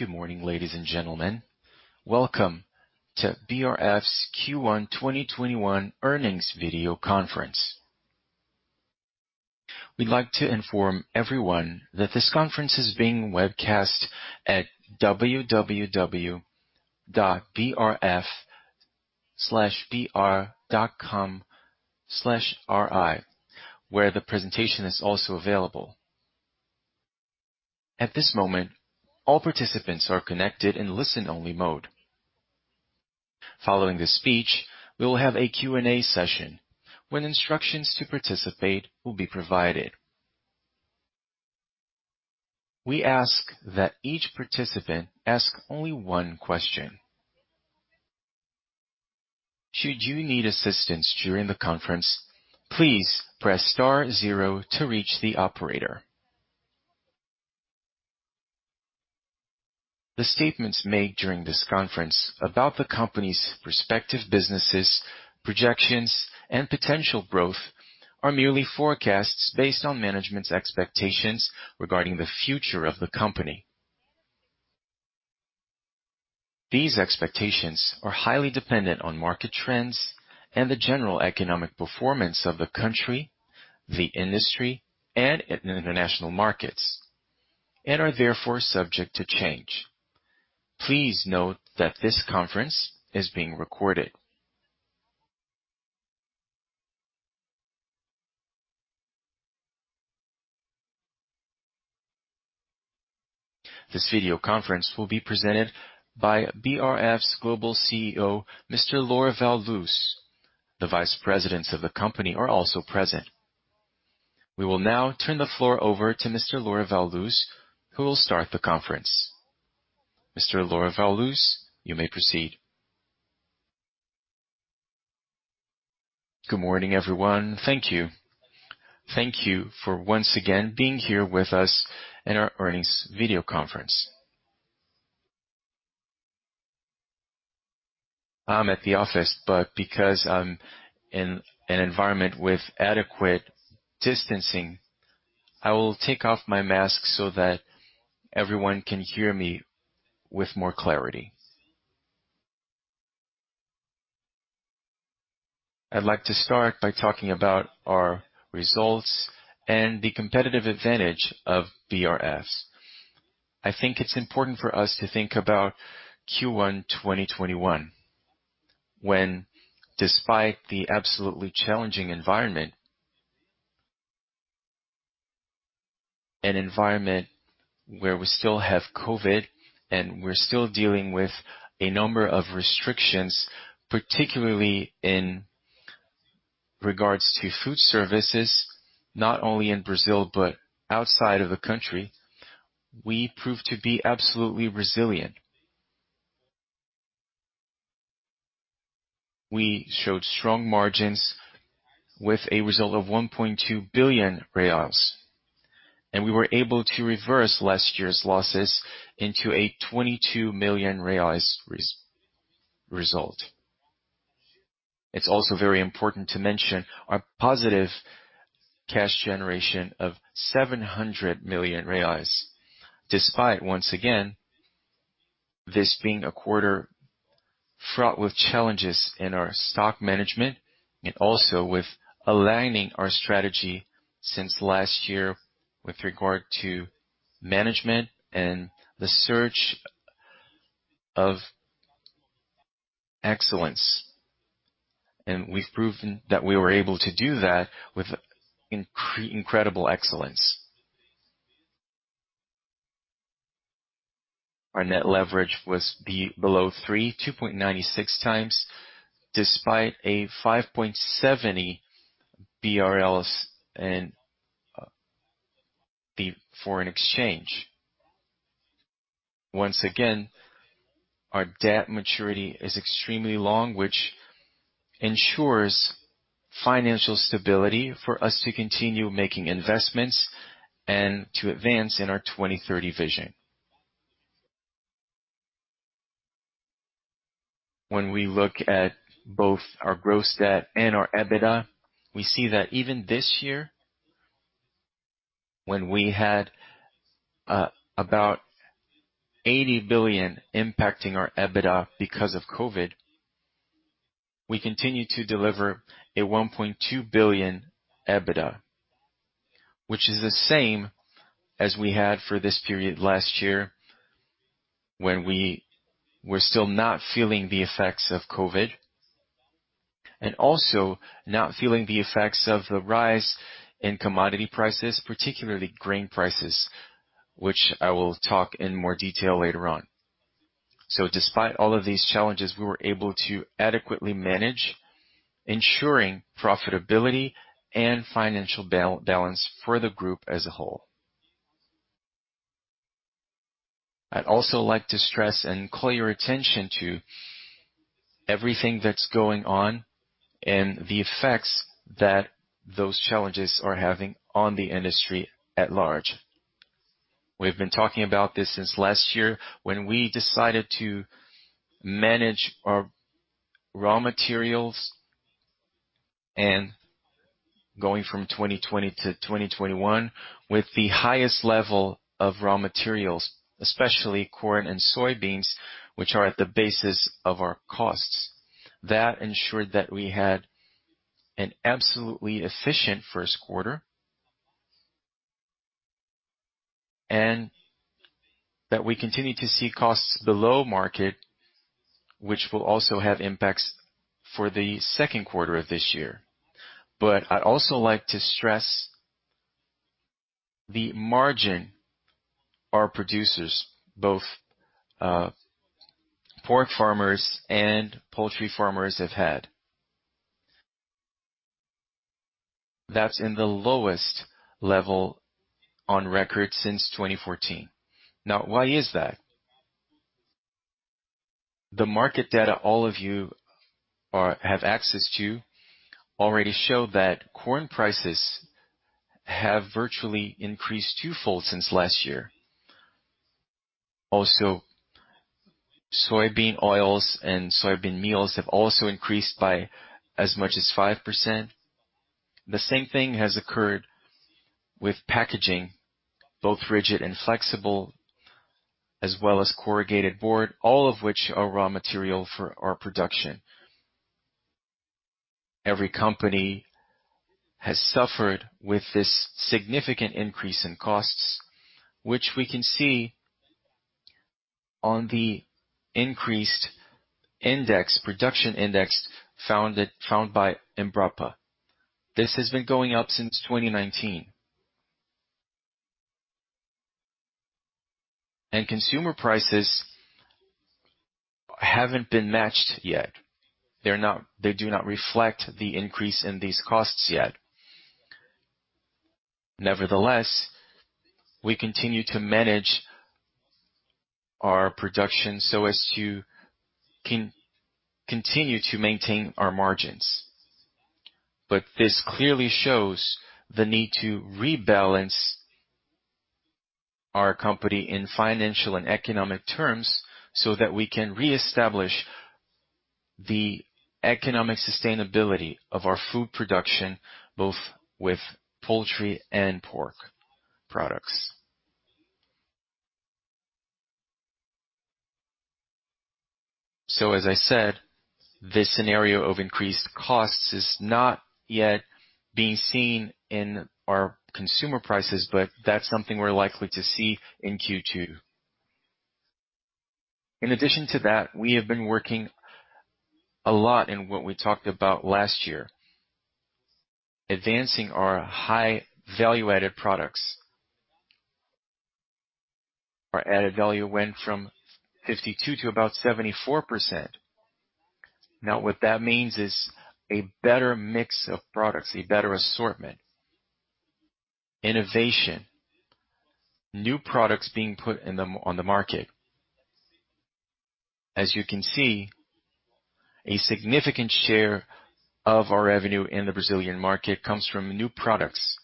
Good morning, ladies and gentlemen. Welcome to BRF's Q1 2021 earnings video conference. We'd like to inform everyone that this conference is being webcast at www.brf.com.br/ri, where the presentation is also available. At this moment, all participants are connected in listen-only mode. Following the speech, we will have a Q&A session when instructions to participate will be provided. We ask that each participant ask only one question. Should you need assistance during the conference, please press star zero to reach the operator. The statements made during this conference about the company's respective businesses, projections, and potential growth are merely forecasts based on management's expectations regarding the future of the company. These expectations are highly dependent on market trends and the general economic performance of the country, the industry, and international markets, and are therefore subject to change. Please note that this conference is being recorded. This video conference will be presented by BRF's global CEO, Mr. Lorival Luz. The vice presidents of the company are also present. We will now turn the floor over to Mr. Lorival Luz, who will start the conference. Mr. Lorival Luz, you may proceed. Good morning, everyone. Thank you. Thank you for once again being here with us in our earnings video conference. I'm at the office, but because I'm in an environment with adequate distancing, I will take off my mask so that everyone can hear me with more clarity. I'd like to start by talking about our results and the competitive advantage of BRF's. I think it's important for us to think about Q1 2021, when despite the absolutely challenging environment, an environment where we still have COVID and we're still dealing with a number of restrictions, particularly in regards to food services, not only in Brazil, but outside of the country, we proved to be absolutely resilient. We showed strong margins with a result of 1.2 billion reais, and we were able to reverse last year's losses into a 22 million reais result. It's also very important to mention our positive cash generation of 700 million reais, despite once again this being a quarter fraught with challenges in our stock management and also with aligning our strategy since last year with regard to management and the search of excellence. We've proven that we were able to do that with incredible excellence. Our net leverage was below 3, 2.96 times despite a 5.70 BRL in the foreign exchange. Once again, our debt maturity is extremely long, which ensures financial stability for us to continue making investments and to advance in our 2030 Vision. When we look at both our gross debt and our EBITDA, we see that even this year, when we had about 80 billion impacting our EBITDA because of COVID, we continued to deliver a 1.2 billion EBITDA, which is the same as we had for this period last year when we were still not feeling the effects of COVID and also not feeling the effects of the rise in commodity prices, particularly grain prices, which I will talk in more detail later on. Despite all of these challenges, we were able to adequately manage ensuring profitability and financial balance for the group as a whole. I'd also like to stress and call your attention to everything that's going on and the effects that those challenges are having on the industry at large. We've been talking about this since last year when we decided to manage our raw materials, and going from 2020 to 2021 with the highest level of raw materials, especially corn and soybeans, which are at the basis of our costs. That ensured that we had an absolutely efficient first quarter, and that we continue to see costs below market, which will also have impacts for the second quarter of this year. I'd also like to stress the margin our producers, both pork farmers and poultry farmers have had. That's in the lowest level on record since 2014. Now, why is that? The market data all of you have access to already show that corn prices have virtually increased twofold since last year. Soybean oils and soybean meals have also increased by as much as 5%. The same thing has occurred with packaging, both rigid and flexible, as well as corrugated board, all of which are raw material for our production. Every company has suffered with this significant increase in costs, which we can see on the increased index, production index, found by Embrapa. This has been going up since 2019. Consumer prices haven't been matched yet. They do not reflect the increase in these costs yet. Nevertheless, we continue to manage our production so as to continue to maintain our margins. This clearly shows the need to rebalance our company in financial and economic terms so that we can reestablish the economic sustainability of our food production, both with poultry and pork products. As I said, this scenario of increased costs is not yet being seen in our consumer prices, but that's something we're likely to see in Q2. In addition to that, we have been working a lot in what we talked about last year, advancing our high value-added products. Our added value went from 52 to about 74%. What that means is a better mix of products, a better assortment, innovation, new products being put on the market. As you can see, a significant share of our revenue in the Brazilian market comes from new products.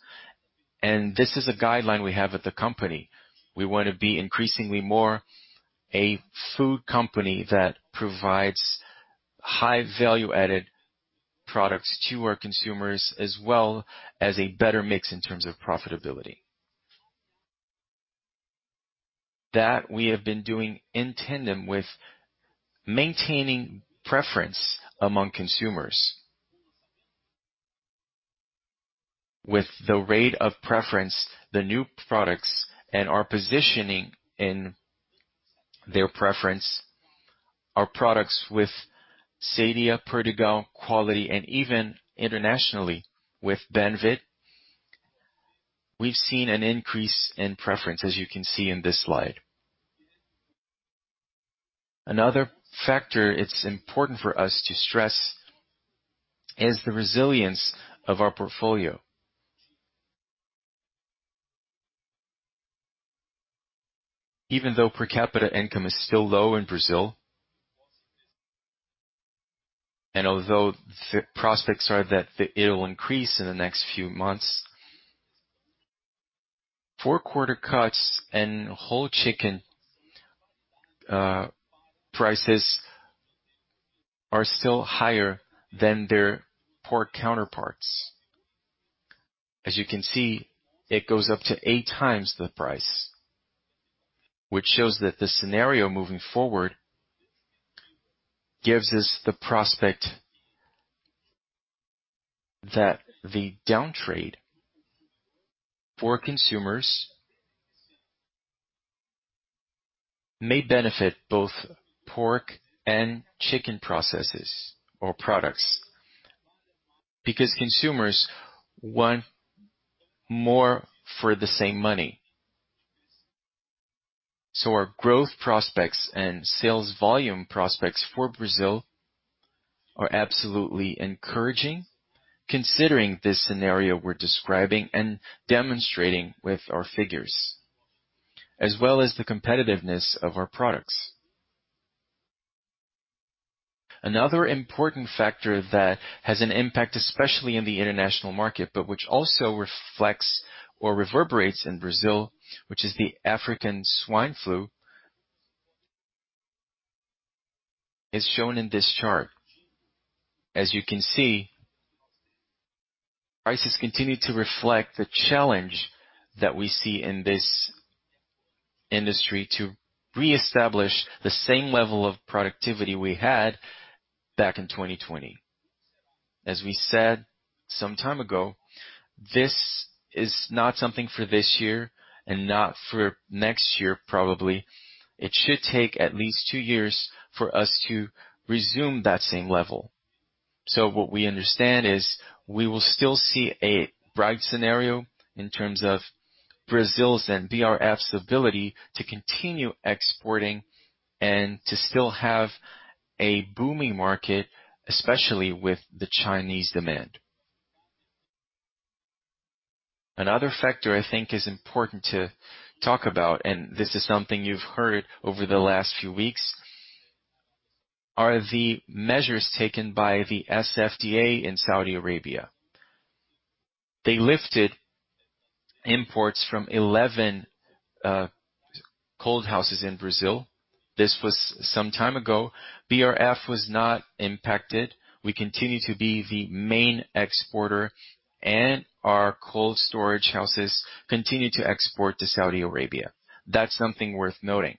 This is a guideline we have at the company. We want to be increasingly more a food company that provides high value-added products to our consumers, as well as a better mix in terms of profitability. That we have been doing in tandem with maintaining preference among consumers. With the rate of preference, the new products, and our positioning in their preference, our products with Sadia, Perdigão quality, and even internationally with Banvit, we've seen an increase in preference as you can see in this slide. Another factor it's important for us to stress is the resilience of our portfolio. Even though per capita income is still low in Brazil, and although the prospects are that it'll increase in the next few months, quarter cuts and whole chicken prices are still higher than their pork counterparts. As you can see, it goes up to eight times the price, which shows that the scenario moving forward gives us the prospect that the downtrade for consumers may benefit both pork and chicken processes or products, because consumers want more for the same money. Our growth prospects and sales volume prospects for Brazil are absolutely encouraging considering this scenario we're describing and demonstrating with our figures, as well as the competitiveness of our products. Another important factor that has an impact, especially in the international market, but which also reflects or reverberates in Brazil, which is the African swine fever, is shown in this chart. As you can see, prices continue to reflect the challenge that we see in this industry to reestablish the same level of productivity we had back in 2020. As we said some time ago, this is not something for this year and not for next year, probably. It should take at least two years for us to resume that same level. What we understand is we will still see a bright scenario in terms of Brazil's and BRF's ability to continue exporting and to still have a booming market, especially with the Chinese demand. Another factor I think is important to talk about, and this is something you've heard over the last few weeks, are the measures taken by the SFDA in Saudi Arabia. They lifted imports from 11 cold houses in Brazil. This was some time ago. BRF was not impacted. We continue to be the main exporter, and our cold storage houses continue to export to Saudi Arabia. That's something worth noting.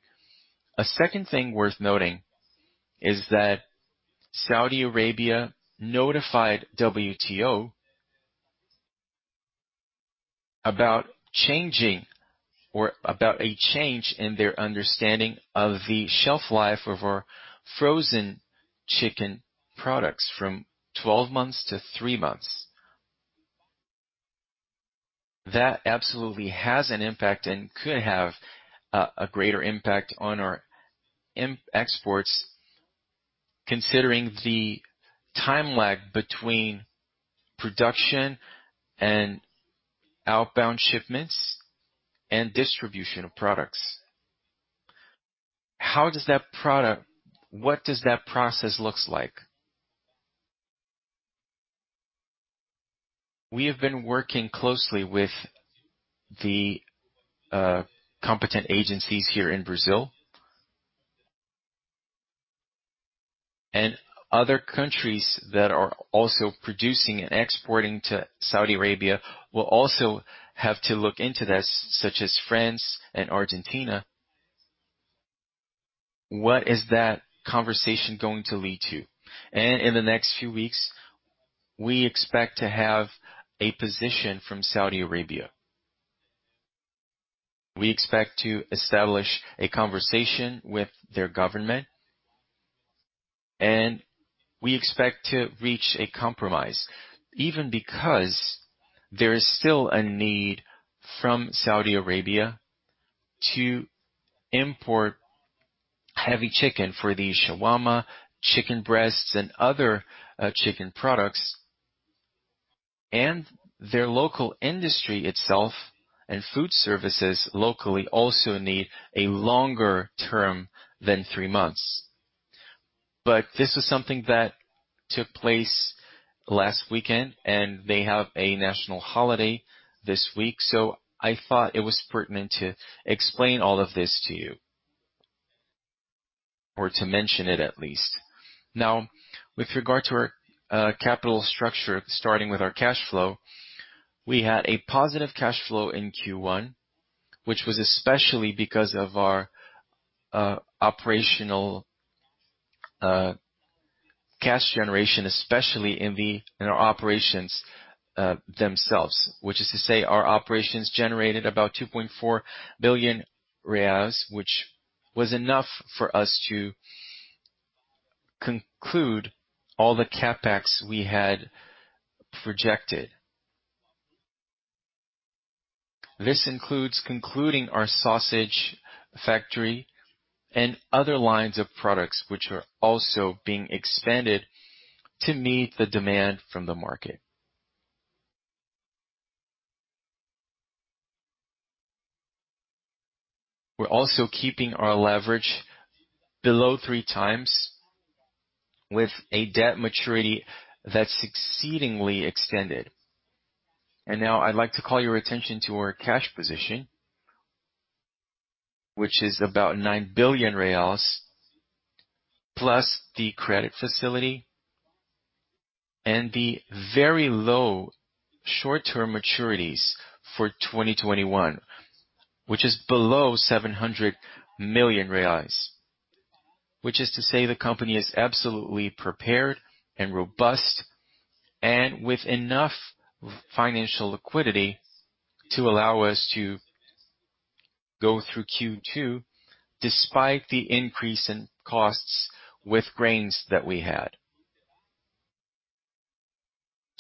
A second thing worth noting is that Saudi Arabia notified WTO about a change in their understanding of the shelf life of our frozen chicken products from 12 months to three months. That absolutely has an impact and could have a greater impact on our exports considering the time lag between production and outbound shipments and distribution of products. What does that process look like? We have been working closely with the competent agencies here in Brazil. Other countries that are also producing and exporting to Saudi Arabia will also have to look into this, such as France and Argentina. What is that conversation going to lead to? In the next few weeks, we expect to have a position from Saudi Arabia. We expect to establish a conversation with their government, and we expect to reach a compromise, even because there is still a need from Saudi Arabia to import heavy chicken for the shawarma, chicken breasts, and other chicken products. Their local industry itself and food services locally also need a longer term than three months. This was something that took place last weekend, and they have a national holiday this week. I thought it was pertinent to explain all of this to you, or to mention it at least. Now, with regard to our capital structure, starting with our cash flow, we had a positive cash flow in Q1, which was especially because of our operational cash generation, especially in our operations themselves, which is to say our operations generated about 2.4 billion reais, which was enough for us to conclude all the CapEx we had projected. This includes concluding our sausage factory and other lines of products which are also being expanded to meet the demand from the market. We're also keeping our leverage below three times with a debt maturity that's exceedingly extended. Now I'd like to call your attention to our cash position, which is about 9 billion reais plus the credit facility and the very low short-term maturities for 2021, which is below 700 million reais. The company is absolutely prepared and robust and with enough financial liquidity to allow us to go through Q2 despite the increase in costs with grains that we had.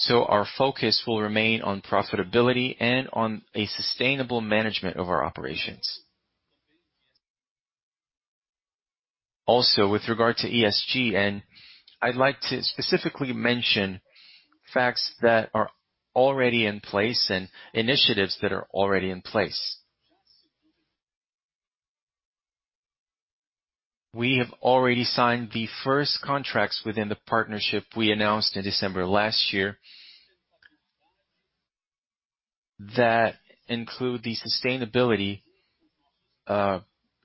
Our focus will remain on profitability and on a sustainable management of our operations. Also with regard to ESG, I'd like to specifically mention facts that are already in place and initiatives that are already in place. We have already signed the first contracts within the partnership we announced in December last year that include the sustainability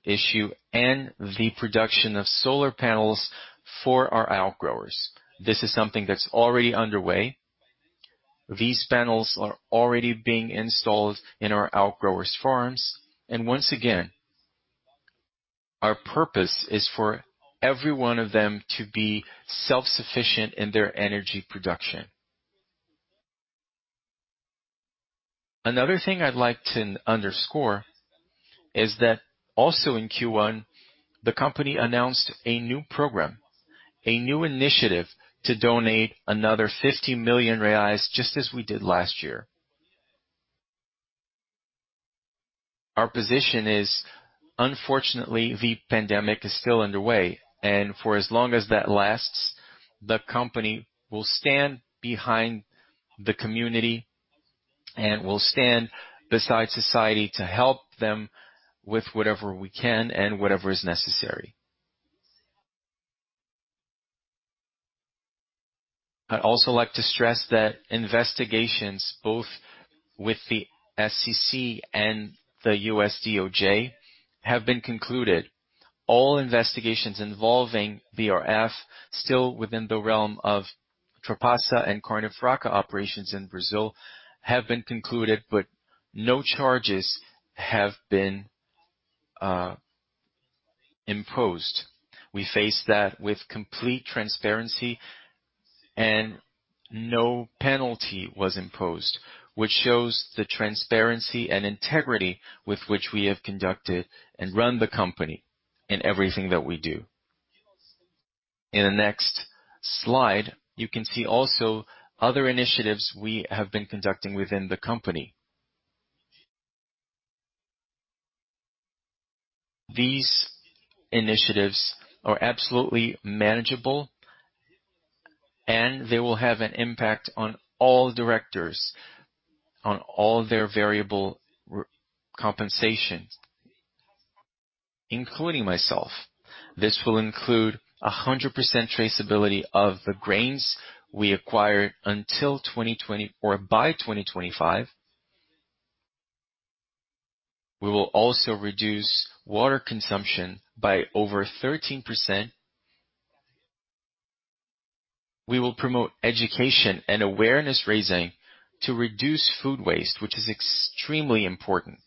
issue and the production of solar panels for our outgrowers. This is something that's already underway. These panels are already being installed in our outgrowers' farms. Once again, our purpose is for every one of them to be self-sufficient in their energy production. Another thing I'd like to underscore is that also in Q1, the company announced a new program, a new initiative to donate another 50 million reais, just as we did last year. Our position is, unfortunately, the pandemic is still underway, and for as long as that lasts, the company will stand behind the community and will stand beside society to help them with whatever we can and whatever is necessary. I'd also like to stress that investigations, both with the SEC and the U.S. DOJ, have been concluded. All investigations involving BRF, still within the realm of Trapaça and Carne Fraca operations in Brazil, have been concluded, but no charges have been imposed. We faced that with complete transparency and no penalty was imposed, which shows the transparency and integrity with which we have conducted and run the company in everything that we do. In the next slide, you can see also other initiatives we have been conducting within the company. These initiatives are absolutely manageable, and they will have an impact on all directors, on all their variable compensation, including myself. This will include 100% traceability of the grains we acquire by 2025. We will also reduce water consumption by over 13%. We will promote education and awareness-raising to reduce food waste, which is extremely important.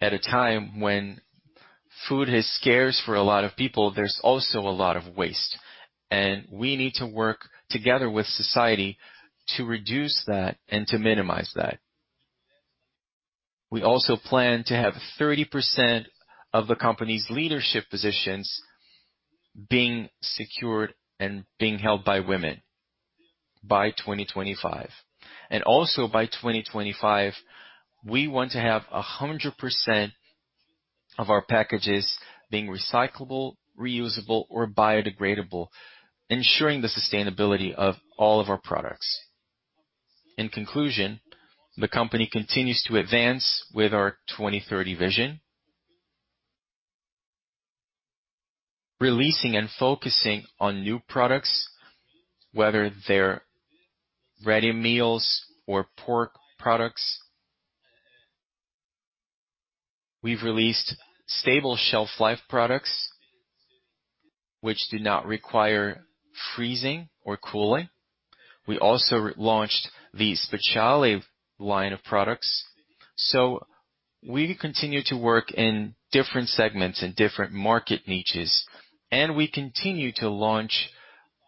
At a time when food is scarce for a lot of people, there's also a lot of waste, and we need to work together with society to reduce that and to minimize that. We also plan to have 30% of the company's leadership positions being secured and being held by women by 2025. Also by 2025, we want to have 100% of our packages being recyclable, reusable or biodegradable, ensuring the sustainability of all of our products. In conclusion, the company continues to advance with our 2030 Vision, releasing and focusing on new products, whether they're ready meals or pork products. We've released stable shelf life products which do not require freezing or cooling. We also launched the Speciale line of products. We continue to work in different segments and different market niches, and we continue to launch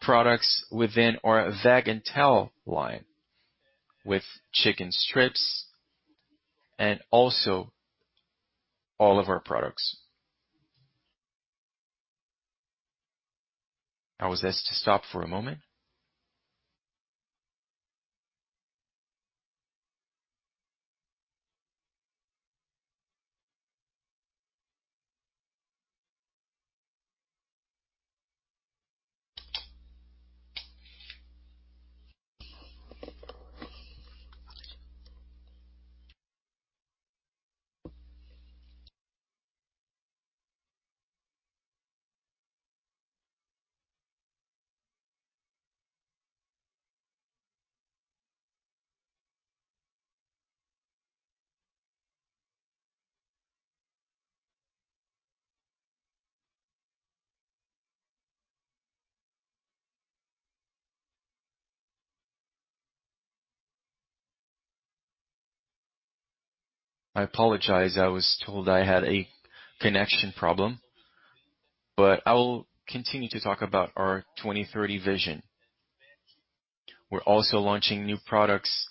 products within our Veg & Tal line with chicken strips and also all of our products. I was asked to stop for a moment. I apologize. I was told I had a connection problem. I will continue to talk about our 2030 Vision. We're also launching new products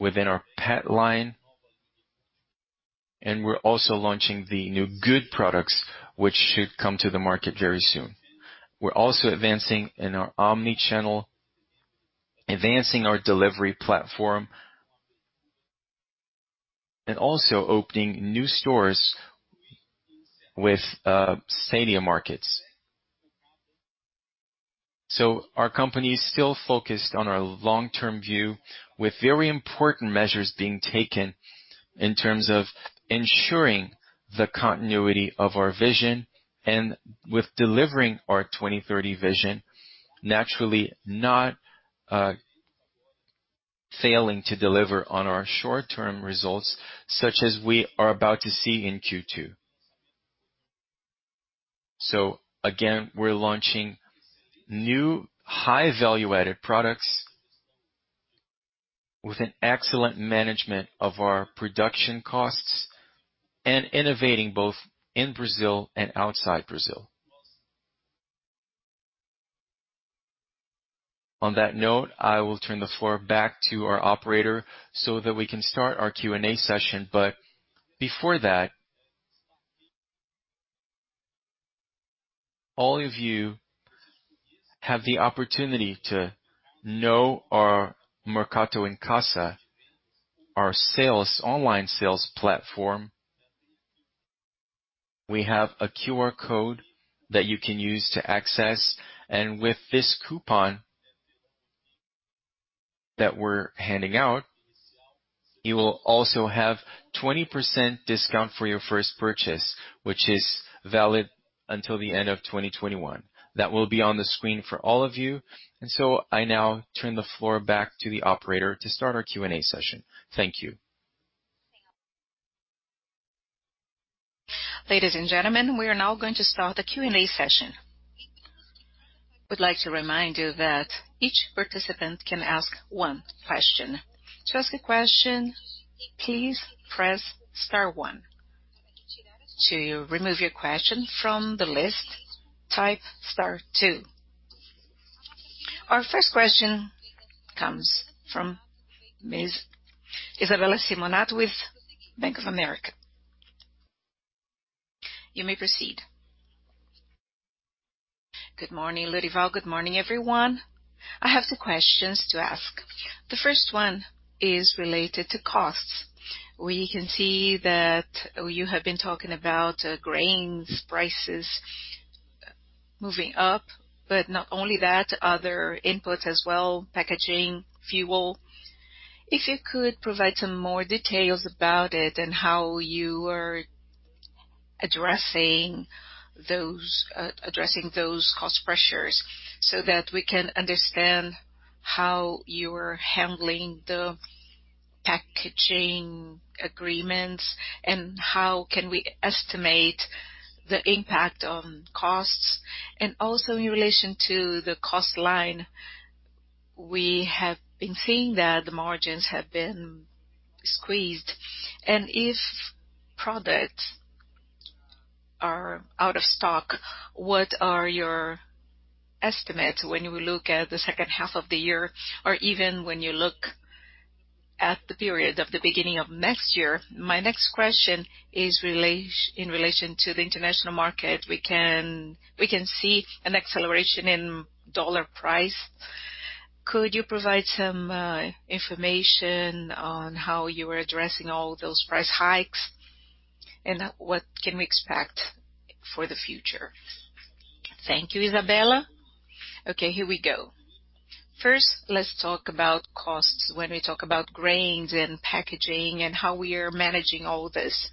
within our pet line, and we're also launching the new Güd products, which should come to the market very soon. We're also advancing in our omni-channel, advancing our delivery platform, and also opening new stores with Sadia markets. Our company is still focused on our long-term view with very important measures being taken in terms of ensuring the continuity of our vision and with delivering our 2030 Vision. Naturally, not failing to deliver on our short-term results such as we are about to see in Q2. Again, we're launching new high value-added products with an excellent management of our production costs and innovating both in Brazil and outside Brazil. On that note, I will turn the floor back to our operator so that we can start our Q&A session. Before that, all of you have the opportunity to know our Mercato em Casa, our online sales platform. We have a QR code that you can use to access. With this coupon that we're handing out, you will also have 20% discount for your first purchase, which is valid until the end of 2021. That will be on the screen for all of you. I now turn the floor back to the operator to start our Q&A session. Thank you. Ladies and gentlemen, we are now going to start the Q&A session. We would like to remind you that each participant can ask one question. To ask a question, please press star one. To remove your question from the list, type star two. Our first question comes from Ms. Isabella Simonato with Bank of America. You may proceed. Good morning, Lorival Luz. Good morning, everyone. I have two questions to ask. The first one is related to costs. We can see that you have been talking about grain prices moving up, but not only that, other inputs as well, packaging, fuel. If you could provide some more details about it and how you are addressing those cost pressures so that we can understand how you're handling the packaging agreements and how can we estimate the impact on costs. Also in relation to the cost line, we have been seeing that the margins have been squeezed. If products are out of stock, what are your estimates when you look at the second half of the year or even when you look at the period of the beginning of next year? My next question is in relation to the international market. We can see an acceleration in USD price. Could you provide some information on how you are addressing all those price hikes and what can we expect for the future? Thank you, Isabella. Okay, here we go. First, let's talk about costs when we talk about grains and packaging and how we are managing all this.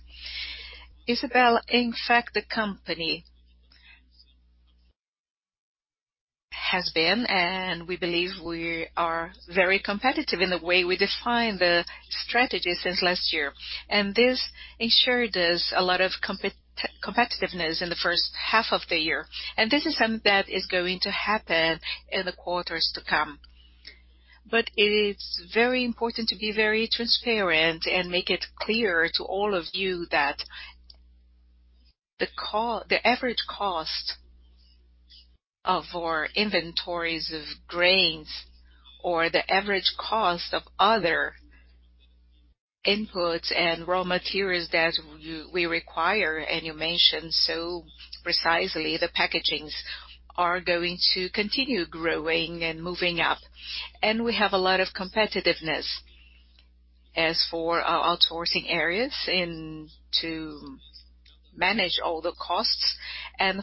Isabella, in fact the company has been, and we believe we are very competitive in the way we define the strategy since last year. This ensured us a lot of competitiveness in the first half of the year. This is something that is going to happen in the quarters to come. It is very important to be very transparent and make it clear to all of you that the average cost of our inventories of grains or the average cost of other inputs and raw materials that we require, and you mentioned so precisely the packagings, are going to continue growing and moving up. We have a lot of competitiveness as for our outsourcing areas and to manage all the costs.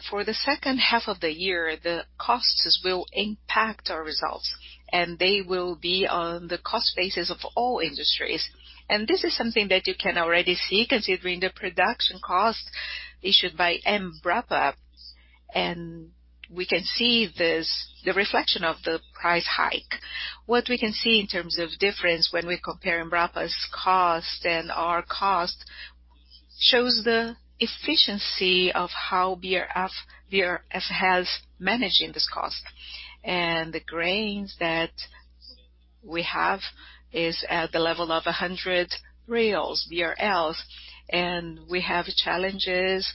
For the second half of the year, the costs will impact our results and they will be on the cost basis of all industries. This is something that you can already see considering the production cost issued by Embrapa and we can see the reflection of the price hike. What we can see in terms of difference when we compare Embrapa's cost and our cost shows the efficiency of how BRF has managing this cost. The grains that we have is at the level of 100 reais. We have challenges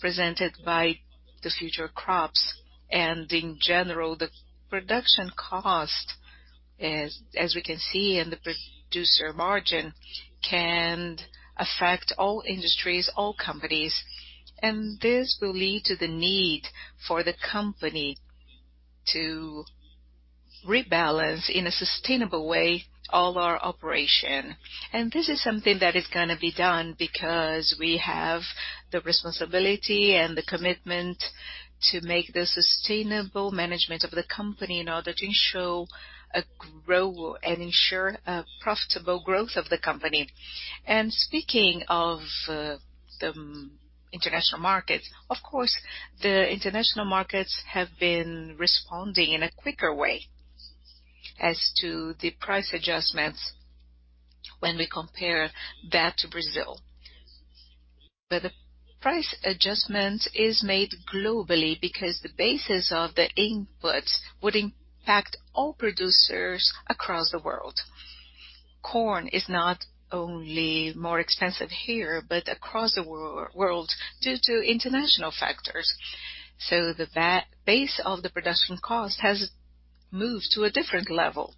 presented by the future crops and in general, the production cost as we can see in the producer margin can affect all industries, all companies. This will lead to the need for the company to rebalance in a sustainable way all our operation. This is something that is going to be done because we have the responsibility and the commitment to make the sustainable management of the company in order to ensure a profitable growth of the company. Speaking of the international markets, of course, the international markets have been responding in a quicker way as to the price adjustments when we compare that to Brazil. The price adjustments is made globally because the basis of the input would impact all producers across the world. Corn is not only more expensive here, but across the world due to international factors. The base of the production cost has moved to a different level.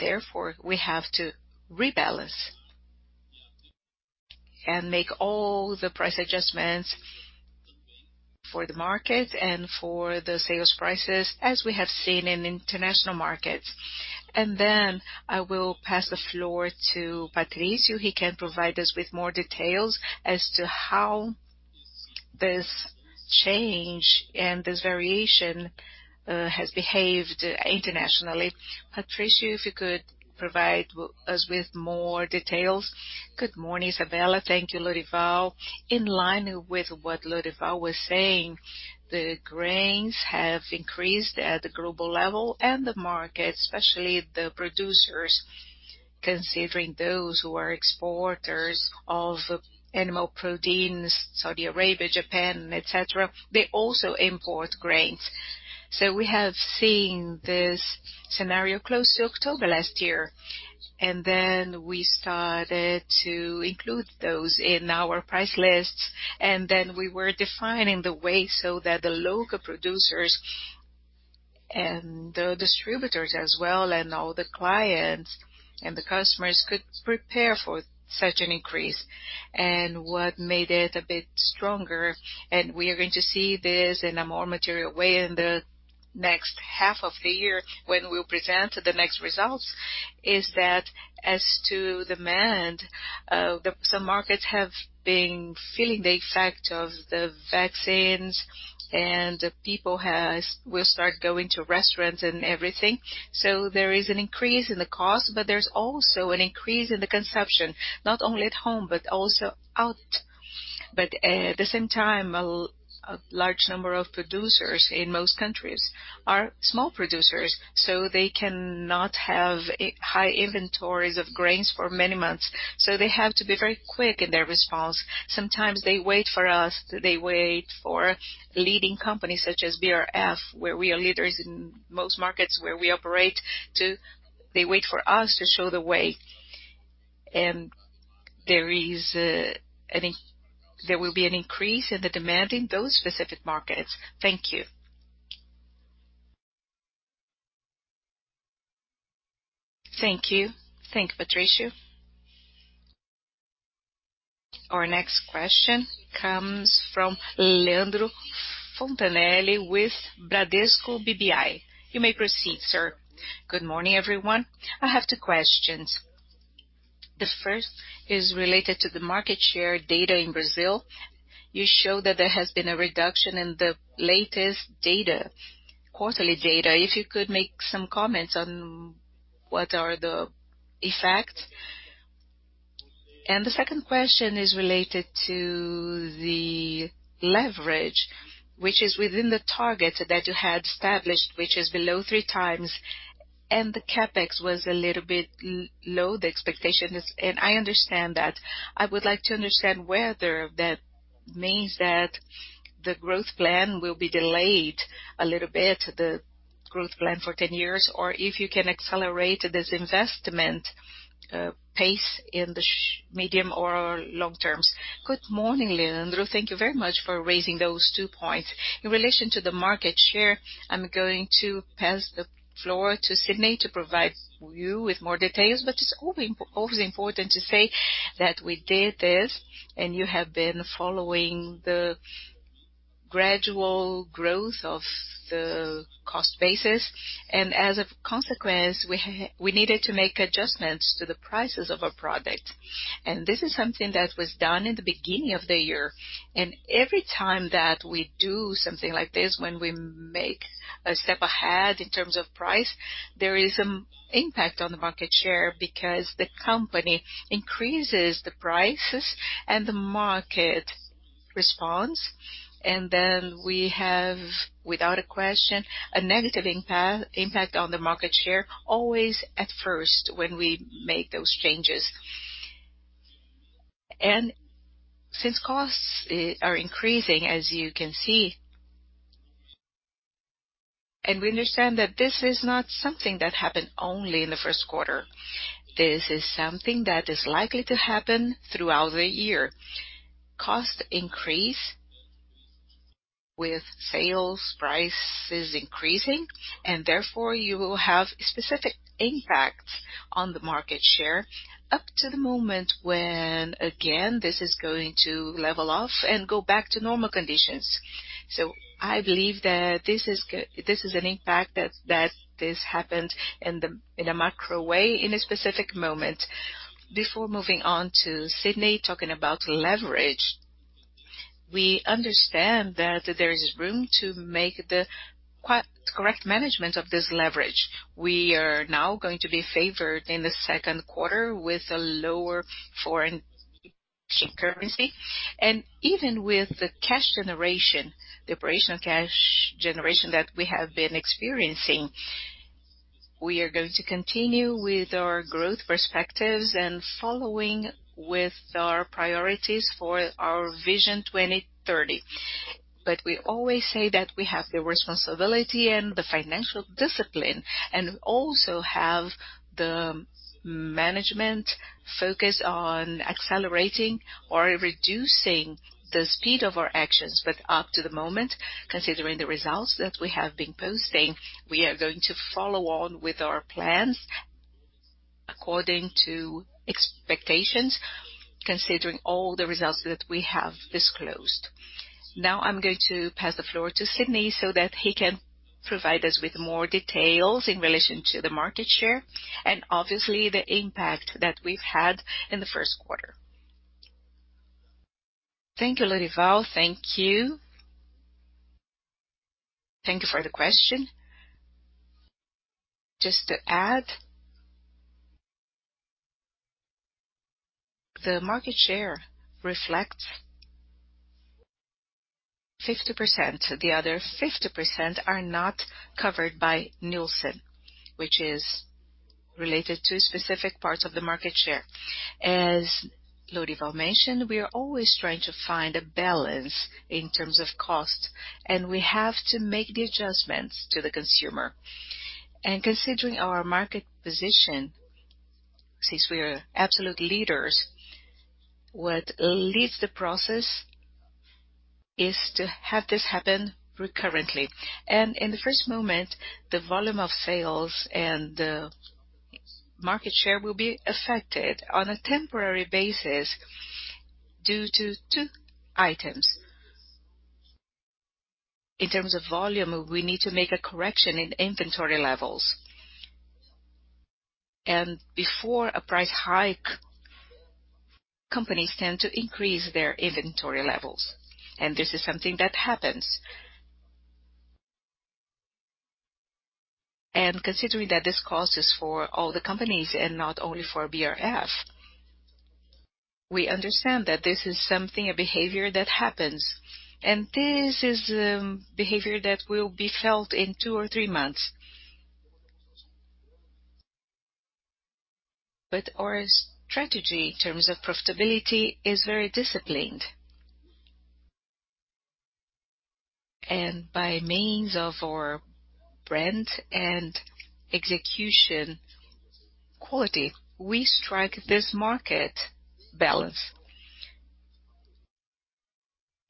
Therefore, we have to rebalance and make all the price adjustments for the market and for the sales prices as we have seen in international markets. Then I will pass the floor to Patricio. He can provide us with more details as to how this change and this variation has behaved internationally. Patricio, if you could provide us with more details. Good morning, Isabella. Thank you, Lorival. In line with what Lorival Luz was saying, the grains have increased at the global level and the market, especially the producers, considering those who are exporters of animal proteins, Saudi Arabia, Japan, et cetera, they also import grains. We have seen this scenario close to October last year. Then we started to include those in our price lists, and then we were defining the way so that the local producers and the distributors as well, and all the clients and the customers could prepare for such an increase. What made it a bit stronger, and we are going to see this in a more material way in the next half of the year when we will present the next results, is that as to demand, some markets have been feeling the effect of the vaccines, and the people will start going to restaurants and everything. There is an increase in the cost, there's also an increase in the consumption, not only at home but also out. At the same time, a large number of producers in most countries are small producers, so they cannot have high inventories of grains for many months. They have to be very quick in their response. Sometimes they wait for us, they wait for leading companies such as BRF, where we are leaders in most markets where we operate. They wait for us to show the way. There will be an increase in the demand in those specific markets. Thank you. Thank you. Thank you, Patricio. Our next question comes from Leandro Fontanesi with Bradesco BBI. You may proceed, sir. Good morning, everyone. I have two questions. The first is related to the market share data in Brazil. You showed that there has been a reduction in the latest data, quarterly data. If you could make some comments on what are the effects. The second question is related to the leverage, which is within the target that you had established, which is below three times, and the CapEx was a little bit low, the expectations, and I understand that. I would like to understand whether that means that the growth plan will be delayed a little bit, the growth plan for 10 years. If you can accelerate this investment pace in the medium or long terms. Good morning, Leandro Fontanesi. Thank you very much for raising those two points. In relation to the market share, I'm going to pass the floor to Sidney to provide you with more details. It's always important to say that we did this, and you have been following the gradual growth of the cost basis. As a consequence, we needed to make adjustments to the prices of our product. This is something that was done in the beginning of the year. Every time that we do something like this, when we make a step ahead in terms of price, there is an impact on the market share because the company increases the prices and the market responds. We have, without a question, a negative impact on the market share almost at first when we make those changes. Since costs are increasing, as you can see, and we understand that this is not something that happened only in the first quarter. This is something that is likely to happen throughout the year. Cost increase with sales prices increasing, and therefore you will have specific impacts on the market share up to the moment when, again, this is going to level off and go back to normal conditions. I believe that this is an impact, that this happened in a macro way, in a specific moment. Before moving on to Sidney, talking about leverage. We understand that there is room to make the correct management of this leverage. We are now going to be favored in the second quarter with a lower foreign currency. Even with the operational cash generation that we have been experiencing, we are going to continue with our growth perspectives and following with our priorities for our 2030 Vision. We always say that we have the responsibility and the financial discipline, and also have the management focus on accelerating or reducing the speed of our actions. Up to the moment, considering the results that we have been posting, we are going to follow on with our plans according to expectations, considering all the results that we have disclosed. Now I'm going to pass the floor to Sidney so that he can provide us with more details in relation to the market share and obviously the impact that we've had in the first quarter. Thank you, Lorival. Thank you. Thank you for the question. Just to add, the market share reflects 50%. The other 50% are not covered by Nielsen, which is related to specific parts of the market share. As Lorival mentioned, we are always trying to find a balance in terms of cost, and we have to make the adjustments to the consumer. Considering our market position, since we are absolute leaders, what leads the process is to have this happen recurrently. In the first moment, the volume of sales and the market share will be affected on a temporary basis due to two items. In terms of volume, we need to make a correction in inventory levels. Before a price hike, companies tend to increase their inventory levels. This is something that happens. Considering that this cost is for all the companies and not only for BRF, we understand that this is a behavior that happens. This is behavior that will be felt in two or three months. Our strategy in terms of profitability is very disciplined. By means of our brand and execution quality, we strike this market balance.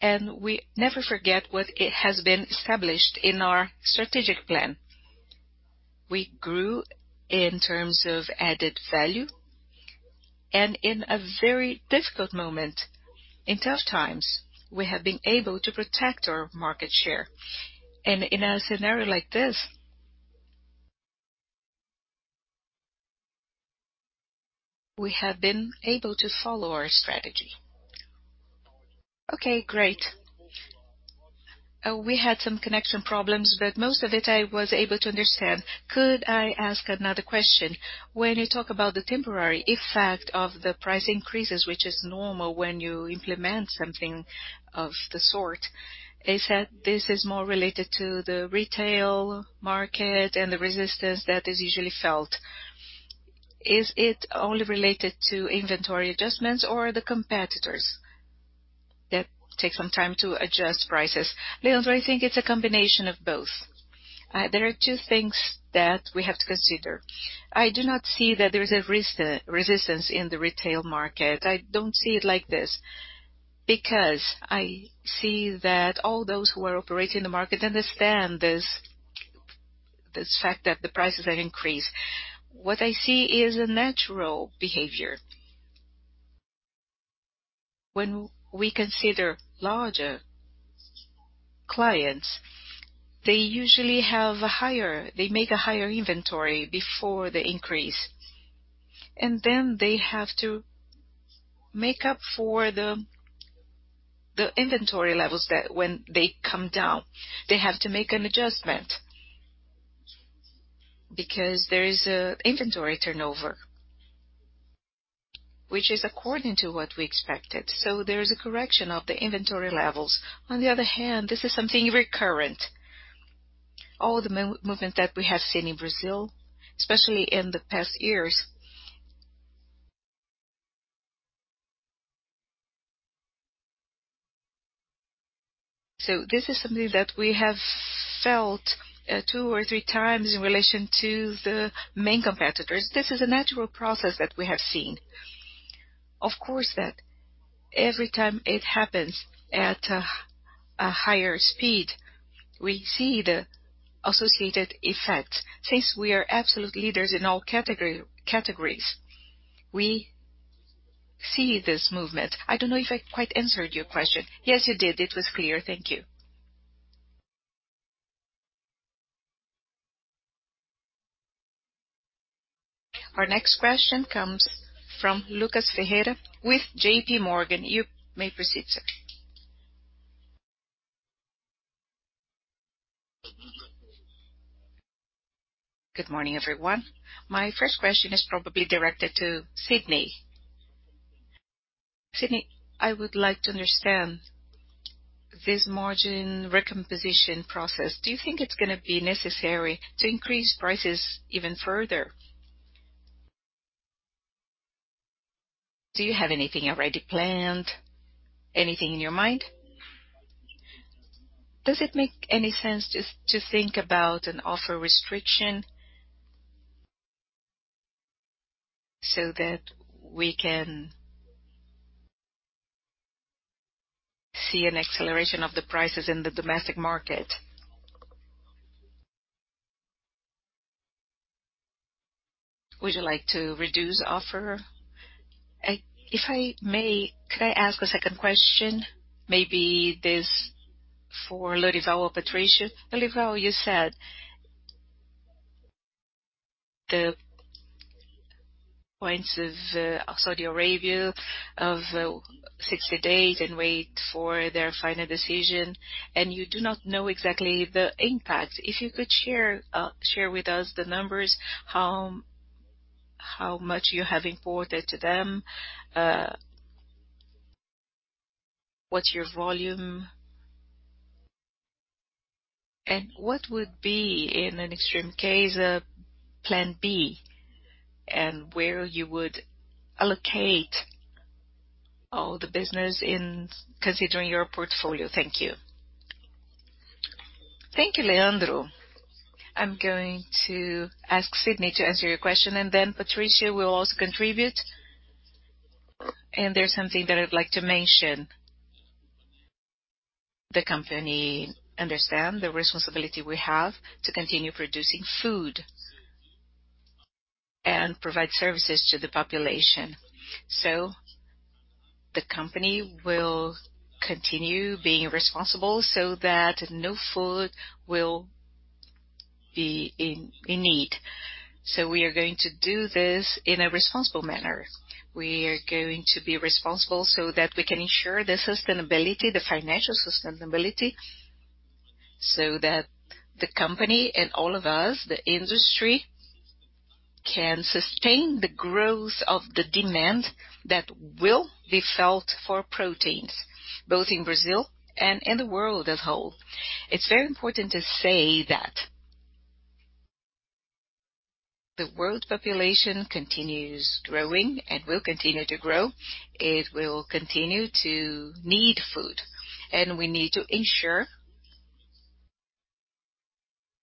We never forget what has been established in our strategic plan. We grew in terms of added value. In a very difficult moment, in tough times, we have been able to protect our market share. In a scenario like this, we have been able to follow our strategy. Okay, great. We had some connection problems, but most of it I was able to understand. Could I ask another question? When you talk about the temporary effect of the price increases, which is normal when you implement something of the sort. They said this is more related to the retail market and the resistance that is usually felt. Is it only related to inventory adjustments or the competitors that take some time to adjust prices? Leandro Fontanesi, I think it's a combination of both. There are two things that we have to consider. I do not see that there is a resistance in the retail market. I don't see it like this, because I see that all those who are operating the market understand this fact that the prices have increased. What I see is a natural behavior. When we consider larger clients, they make a higher inventory before the increase, and then they have to make up for the inventory levels that when they come down. They have to make an adjustment because there is an inventory turnover, which is according to what we expected. There is a correction of the inventory levels. On the other hand, this is something recurrent. All the movement that we have seen in Brazil, especially in the past years. This is something that we have felt two or three times in relation to the main competitors. This is a natural process that we have seen. Of course that every time it happens at a higher speed, we see the associated effects. Since we are absolute leaders in all categories, we see this movement. I don't know if I quite answered your question. Yes, you did. It was clear. Thank you. Our next question comes from Lucas Ferreira with JPMorgan. You may proceed, sir. Good morning, everyone. My first question is probably directed to Sidney. Sidney, I would like to understand this margin recomposition process. Do you think it's going to be necessary to increase prices even further? Do you have anything already planned? Anything in your mind? Does it make any sense to think about an offer restriction so that we can see an acceleration of the prices in the domestic market? Would you like to reduce offer? If I may, could I ask a second question? Maybe this for Lorival or Patricio. Lorival, you said the points of Saudi Arabia of 60 days and wait for their final decision, and you do not know exactly the impact. If you could share with us the numbers, how much you have imported to them, what's your volume, and what would be, in an extreme case, plan B, and where you would allocate all the business considering your portfolio. Thank you. Thank you, Leandro. I'm going to ask Sidney to answer your question, and then Patricio will also contribute. There's something that I'd like to mention. The company understand the responsibility we have to continue producing food and provide services to the population. The company will continue being responsible so that no food will be in need. We are going to do this in a responsible manner. We are going to be responsible so that we can ensure the sustainability, the financial sustainability, so that the company and all of us, the industry, can sustain the growth of the demand that will be felt for proteins, both in Brazil and in the world as whole. It is very important to say that the world population continues growing and will continue to grow. It will continue to need food. We need to ensure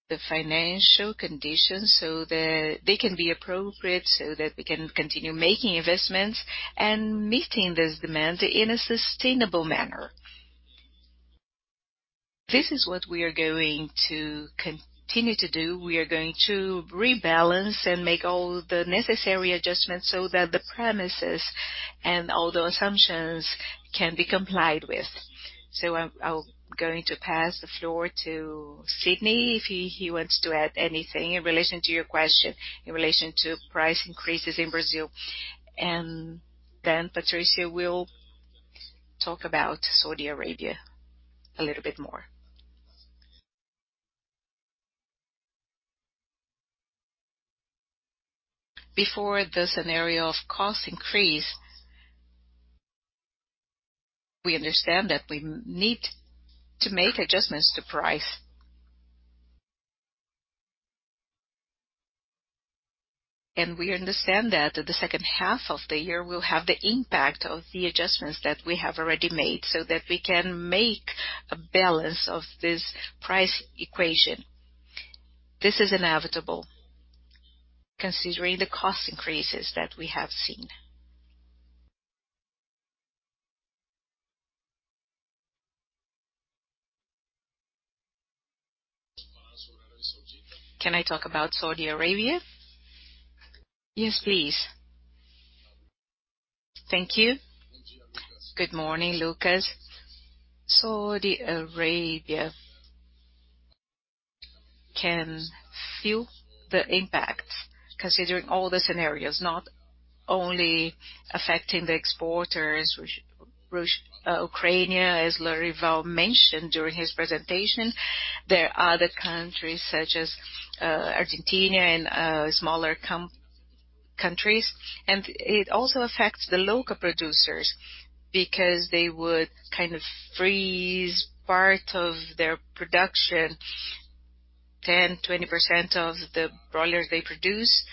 the financial conditions so that they can be appropriate so that we can continue making investments and meeting this demand in a sustainable manner. This is what we are going to continue to do. We are going to rebalance and make all the necessary adjustments so that the premises and all the assumptions can be complied with. I'm going to pass the floor to Sidney if he wants to add anything in relation to your question, in relation to price increases in Brazil, and then Patricio will talk about Saudi Arabia a little bit more. Before the scenario of cost increase, we understand that we need to make adjustments to price. We understand that the second half of the year will have the impact of the adjustments that we have already made so that we can make a balance of this price equation. This is inevitable considering the cost increases that we have seen. Can I talk about Saudi Arabia? Yes, please. Thank you. Good morning, Lucas. Saudi Arabia can feel the impact considering all the scenarios, not only affecting the exporters, Ukraine, as Lorival mentioned during his presentation. There are other countries such as Argentina and smaller countries. It also affects the local producers because they would kind of freeze part of their production, 10%, 20% of the broilers they produce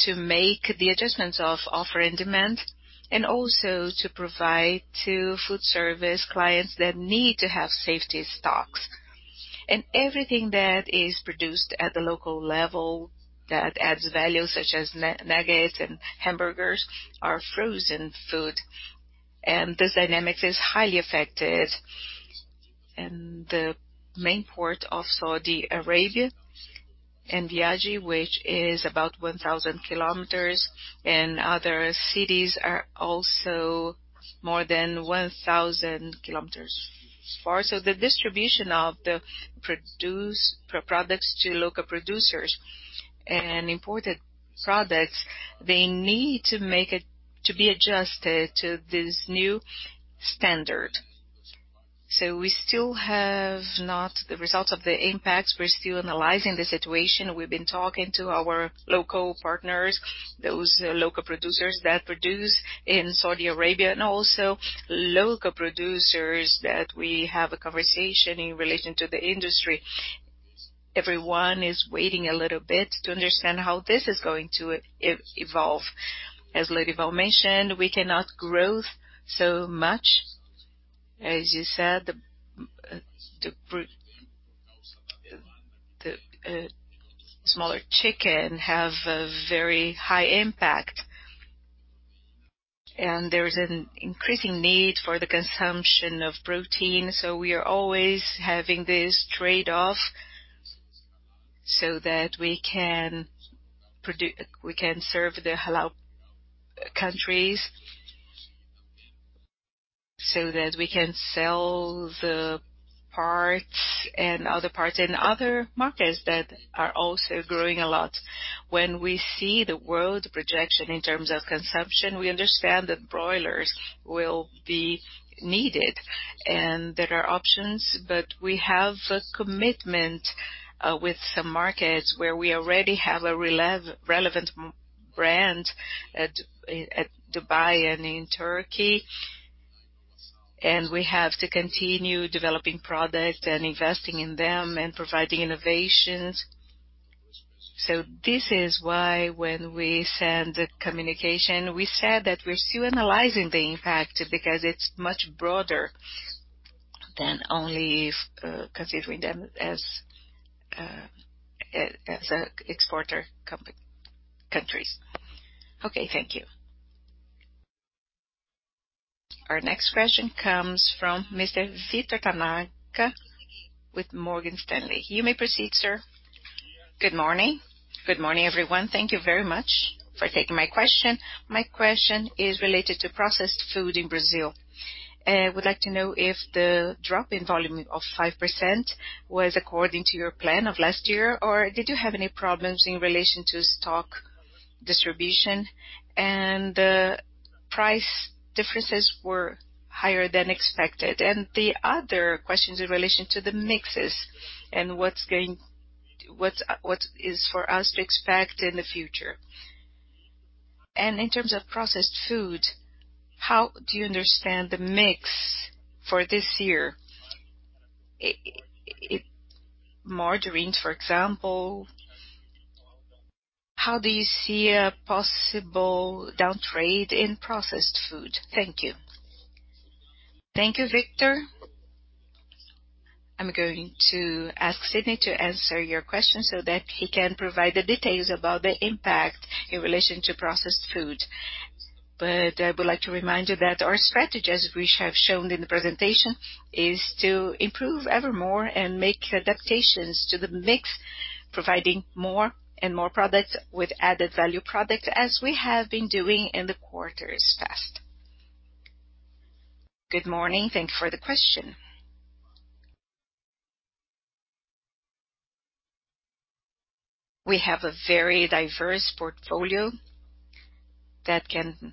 to make the adjustments of offer and demand, and also to provide to food service clients that need to have safety stocks. Everything that is produced at the local level that adds value, such as nuggets and hamburgers, are frozen food. This dynamic is highly affected. The main port of Saudi Arabia, in Yanbu, which is about 1,000 kilometers, and other cities are also more than 1,000 kilometers far. The distribution of the products to local producers and imported products, they need to be adjusted to this new standard. We still have not the results of the impacts. We are still analyzing the situation. We've been talking to our local partners, those local producers that produce in Saudi Arabia and also local producers that we have a conversation in relation to the industry. Everyone is waiting a little bit to understand how this is going to evolve. As Lorival Luz mentioned, we cannot growth so much. As you said, the smaller chicken have a very high impact. There is an increasing need for the consumption of protein, so we are always having this trade-off, so that we can serve the halal countries, so that we can sell the parts and other parts in other markets that are also growing a lot. When we see the world projection in terms of consumption, we understand that broilers will be needed, and there are options, but we have a commitment with some markets where we already have a relevant brand at Dubai and in Turkey. We have to continue developing product and investing in them and providing innovations. This is why when we send the communication, we said that we're still analyzing the impact because it's much broader than only if considering them as exporter countries. Okay. Thank you. Our next question comes from Mr. Victor Tanaka with Morgan Stanley. You may proceed, sir. Good morning. Good morning, everyone. Thank you very much for taking my question. My question is related to processed food in Brazil. I would like to know if the drop in volume of 5% was according to your plan of last year, or did you have any problems in relation to stock distribution, and the price differences were higher than expected? The other question is in relation to the mixes and what is for us to expect in the future. In terms of processed food, how do you understand the mix for this year? Margarines, for example. How do you see a possible downtrade in processed food? Thank you. Thank you, Victor. I'm going to ask Sidney to answer your question so that he can provide the details about the impact in relation to processed food. I would like to remind you that our strategy, as we have shown in the presentation, is to improve evermore and make adaptations to the mix, providing more and more products with added value product as we have been doing in the quarters past. Good morning. Thank you for the question. We have a very diverse portfolio that can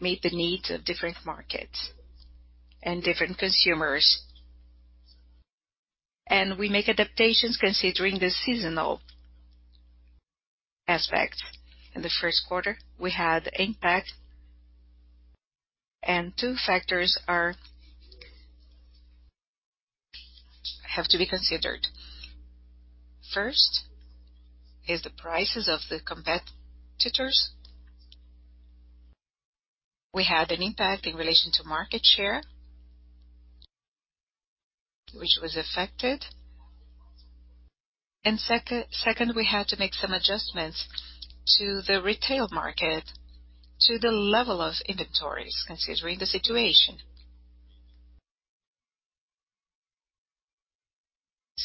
meet the needs of different markets and different consumers. We make adaptations considering the seasonal aspect. In the first quarter, we had impact, and two factors have to be considered. First is the prices of the competitors. We had an impact in relation to market share, which was affected. Second, we had to make some adjustments to the retail market to the level of inventories, considering the situation.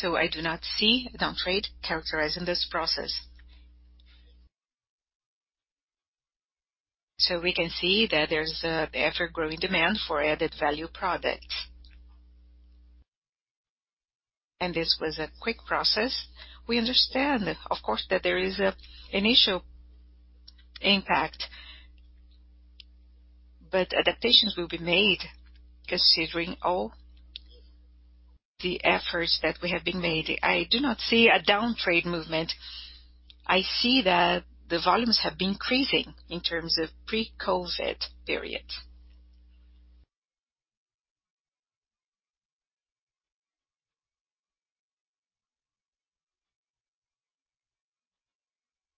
I do not see a downtrade characterizing this process. We can see that there's ever-growing demand for added-value products. This was a quick process. We understand, of course, that there is an initial impact, but adaptations will be made considering all the efforts that we have been made. I do not see a downtrade movement. I see that the volumes have been increasing in terms of pre-COVID period.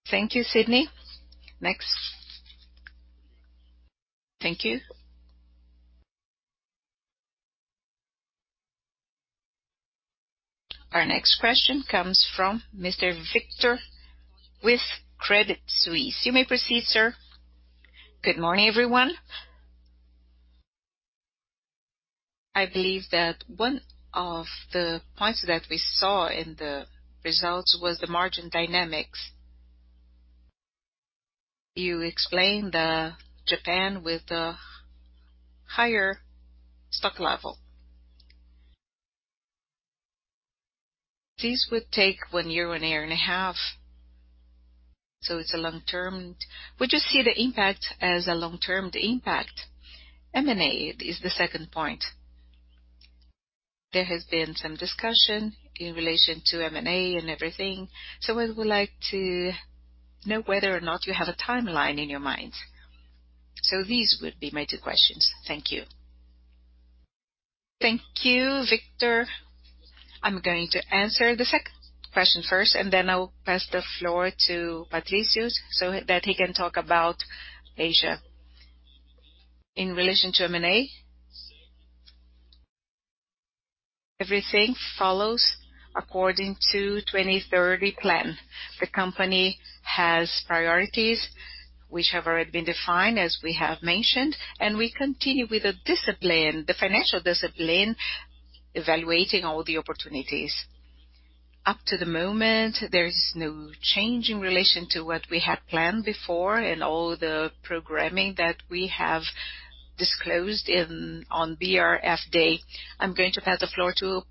Thank you, Sidney. Next. Thank you. Our next question comes from Mr. Victor with Credit Suisse. You may proceed, sir. Good morning, everyone. I believe that one of the points that we saw in the results was the margin dynamics. You explained the Japan with the higher stock level. This would take one year or a year and a half, so it's a long-term. Would you see the impact as a long-term impact? M&A is the second point. There has been some discussion in relation to M&A and everything. We would like to know whether or not you have a timeline in your mind. These would be my two questions. Thank you. Thank you, Victor. I'm going to answer the second question first, and then I will pass the floor to Patricio so that he can talk about Asia. In relation to M&A, everything follows according to 2030 Vision. The company has priorities which have already been defined, as we have mentioned, and we continue with the discipline, the financial discipline, evaluating all the opportunities. Up to the moment, there is no change in relation to what we had planned before and all the programming that we have disclosed on BRF Day. I'm going to pass the floor to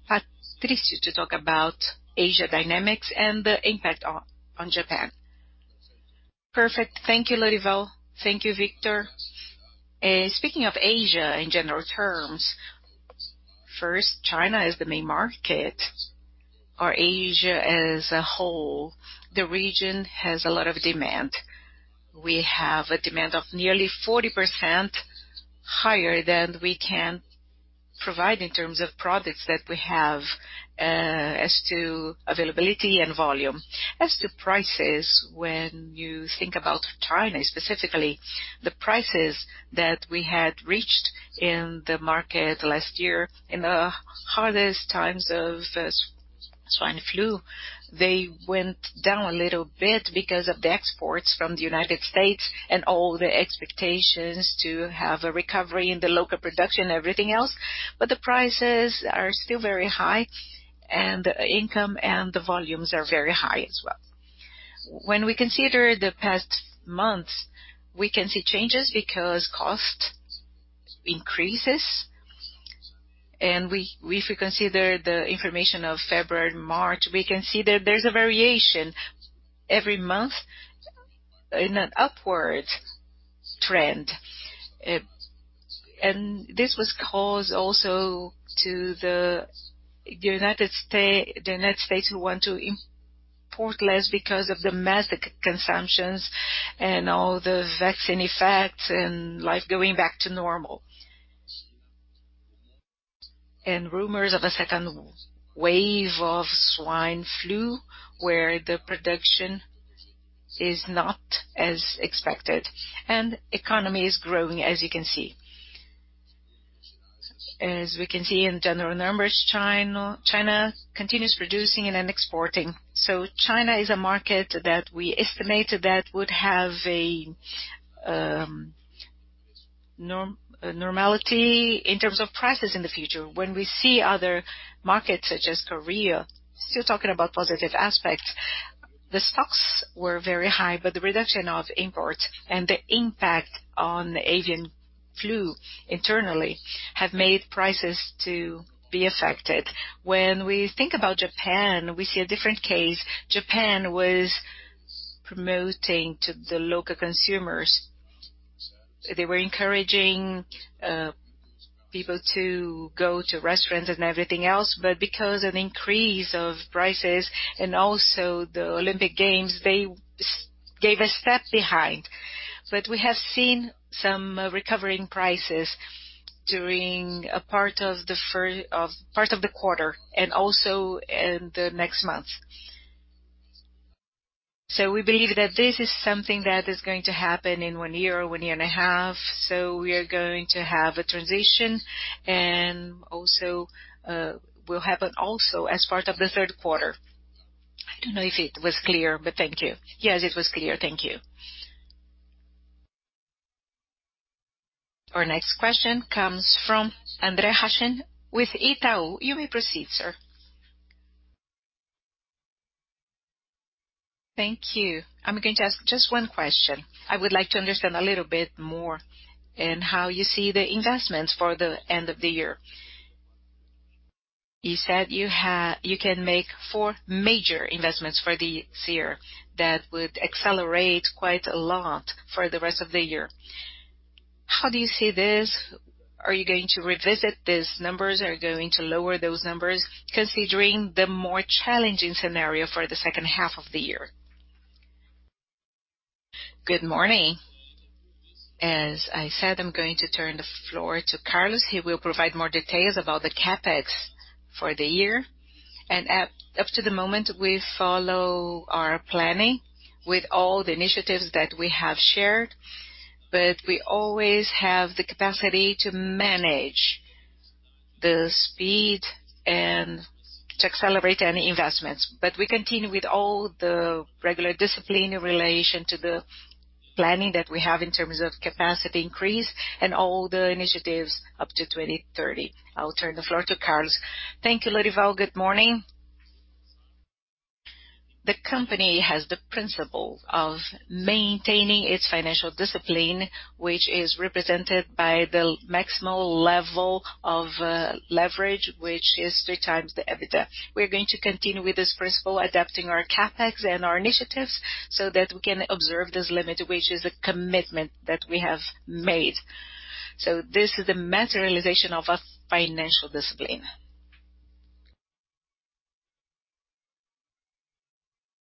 Patricio to talk about Asia dynamics and the impact on Japan. Perfect. Thank you, Lorival. Thank you, Victor. Speaking of Asia in general terms, first, China is the main market or Asia as a whole. The region has a lot of demand. We have a demand of nearly 40% higher than we can provide in terms of products that we have as to availability and volume. As to prices, when you think about China, specifically, the prices that we had reached in the market last year, in the hardest times of swine fever, they went down a little bit because of the exports from the United States and all the expectations to have a recovery in the local production and everything else. The prices are still very high, and the income and the volumes are very high as well. When we consider the past months, we can see changes because cost increases. If we consider the information of February and March, we can see that there's a variation every month in an upward trend. This was caused also to the United States who want to import less because of the mask consumptions and all the vaccine effects and life going back to normal. Rumors of a second wave of swine fever, where the production is not as expected and economy is growing, as you can see. As we can see in general numbers, China continues producing and exporting. China is a market that we estimated that would have a normality in terms of prices in the future. We see other markets such as Korea, still talking about positive aspects, the stocks were very high, but the reduction of imports and the impact on the avian flu internally have made prices to be affected. We think about Japan, we see a different case. Japan was promoting to the local consumers. They were encouraging people to go to restaurants and everything else. Because of increase of prices and also the Olympic Games, they gave a step behind. We have seen some recovery in prices during a part of the quarter and also in the next month. We believe that this is something that is going to happen in one year or one year and a half. We are going to have a transition and will happen also as part of the third quarter. I don't know if it was clear, but thank you. Yes, it was clear. Thank you. Our next question comes from Andre Hachem with Itaú. You may proceed, sir. Thank you. I'm going to ask just one question. I would like to understand a little bit more in how you see the investments for the end of the year. You said you can make four major investments for this year that would accelerate quite a lot for the rest of the year. How do you see this? Are you going to revisit these numbers? Are you going to lower those numbers considering the more challenging scenario for the second half of the year? Good morning. As I said, I'm going to turn the floor to Carlos. He will provide more details about the CapEx for the year. Up to the moment, we follow our planning with all the initiatives that we have shared, but we always have the capacity to manage the speed and to accelerate any investments. We continue with all the regular discipline in relation to the planning that we have in terms of capacity increase and all the initiatives up to 2030. I will turn the floor to Carlos. Thank you, Lorival Luz. Good morning. The company has the principle of maintaining its financial discipline, which is represented by the maximal level of leverage, which is three times the EBITDA. We're going to continue with this principle, adapting our CapEx and our initiatives so that we can observe this limit, which is a commitment that we have made. This is the materialization of a financial discipline.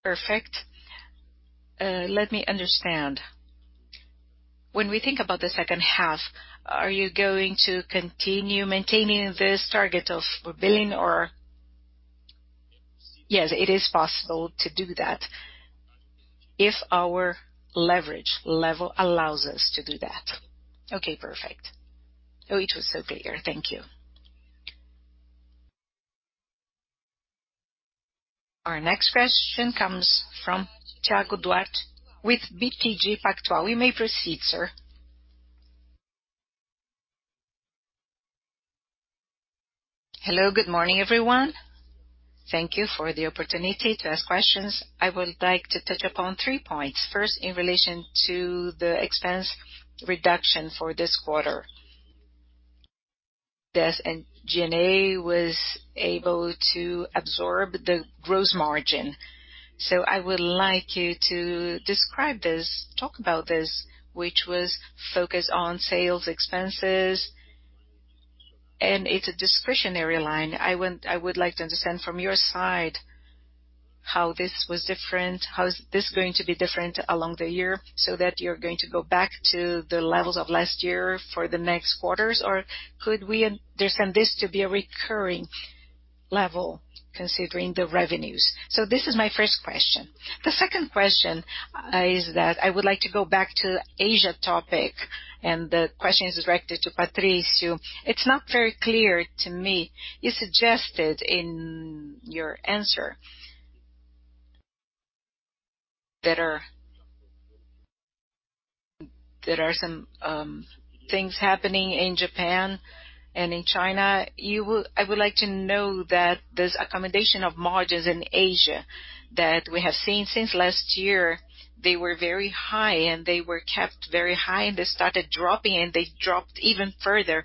Perfect. Let me understand. When we think about the second half, are you going to continue maintaining this target of billion or. Yes, it is possible to do that if our leverage level allows us to do that. Okay, perfect. It was so clear. Thank you. Our next question comes from Thiago Duarte with BTG Pactual. You may proceed, sir. Hello. Good morning, everyone. Thank you for the opportunity to ask questions. I would like to touch upon three points. First, in relation to the expense reduction for this quarter. SG&A was able to absorb the gross margin. I would like you to describe this, talk about this, which was focused on sales expenses, and it's a discretionary line. I would like to understand from your side how this was different, how is this going to be different along the year, that you're going to go back to the levels of last year for the next quarters? Could we understand this to be a recurring level considering the revenues? This is my first question. The second question is that I would like to go back to Asia topic, the question is directed to Patricio. It's not very clear to me. You suggested in your answer that there are some things happening in Japan and in China. I would like to know that this accommodation of margins in Asia that we have seen since last year, they were very high, and they were kept very high, and they started dropping, and they dropped even further.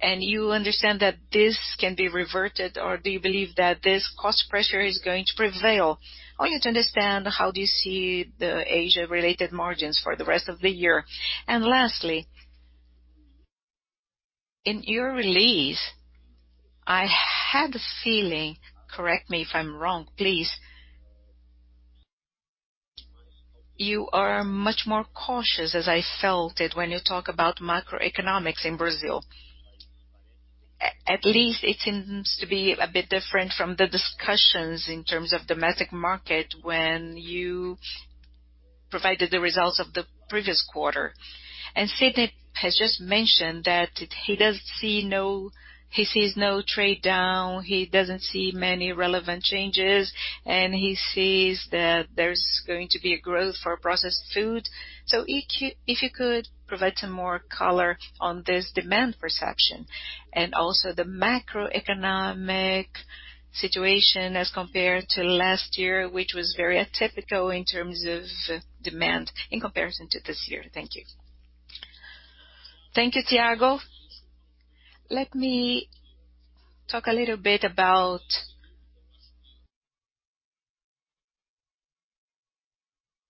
You understand that this can be reverted or do you believe that this cost pressure is going to prevail? I want you to understand how do you see the Asia-related margins for the rest of the year. Lastly, in your release, I had the feeling, correct me if I'm wrong, please, you are much more cautious as I felt it when you talk about macroeconomics in Brazil. At least it seems to be a bit different from the discussions in terms of domestic market when you provided the results of the previous quarter. Sidney has just mentioned that he sees no trade down, he doesn't see many relevant changes, and he sees that there's going to be a growth for processed food. If you could provide some more color on this demand perception and also the macroeconomic situation as compared to last year, which was very atypical in terms of demand in comparison to this year. Thank you. Thank you, Thiago. Let me talk a little bit about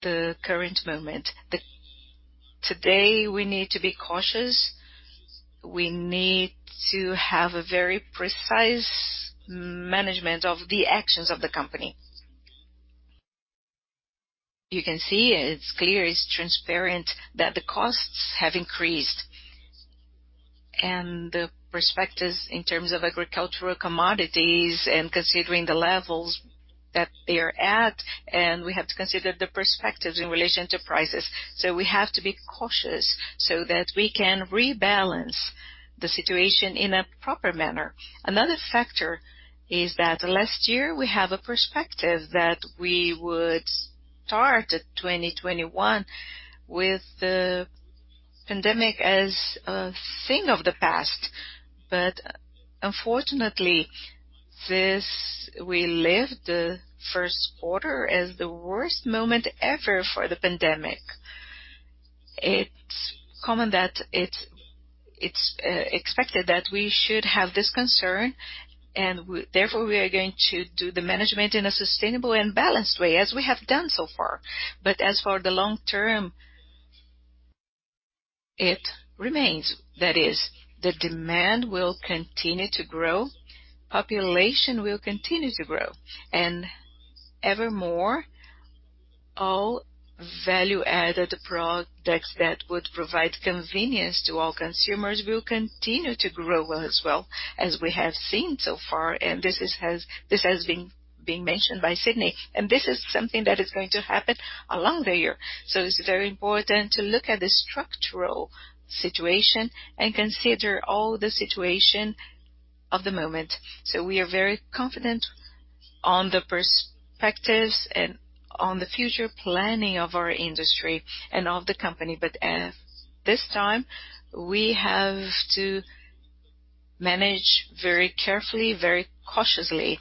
the current moment. Today, we need to be cautious. We need to have a very precise management of the actions of the company. You can see it's clear, it's transparent that the costs have increased. The perspectives in terms of agricultural commodities and considering the levels that they are at, and we have to consider the perspectives in relation to prices. We have to be cautious so that we can rebalance the situation in a proper manner. Another factor is that last year we have a perspective that we would start 2021 with the pandemic as a thing of the past. Unfortunately, we lived the first quarter as the worst moment ever for the pandemic. It's expected that we should have this concern, and therefore we are going to do the management in a sustainable and balanced way as we have done so far. As for the long term, it remains. That is, the demand will continue to grow, population will continue to grow. Evermore, all value-added products that would provide convenience to all consumers will continue to grow as well as we have seen so far. This has been mentioned by Sidney. This is something that is going to happen along the year. It's very important to look at the structural situation and consider all the situation of the moment. We are very confident on the perspectives and on the future planning of our industry and of the company. At this time, we have to manage very carefully, very cautiously.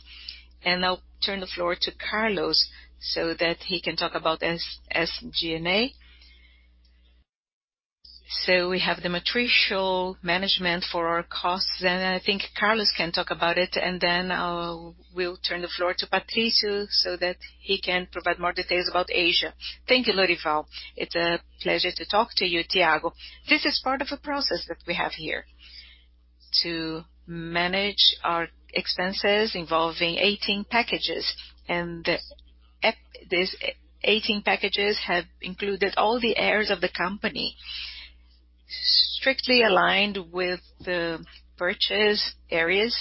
I'll turn the floor to Carlos so that he can talk about SG&A. We have the matricial management for our costs. I think Carlos can talk about it, and then we'll turn the floor to Patricio so that he can provide more details about Asia. Thank you, Lorival. It's a pleasure to talk to you, Thiago. This is part of a process that we have here to manage our expenses involving 18 packages. These 18 packages have included all the areas of the company strictly aligned with the purchase areas,